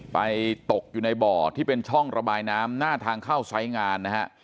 ตกอยู่ในบ่อที่เป็นช่องระบายน้ำหน้าทางเข้าไซส์งานนะฮะ